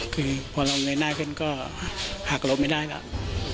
คือพอเราเงยหน้าขึ้นก็หักหลบไม่ได้แล้ว